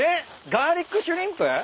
ガーリックシュリンプ？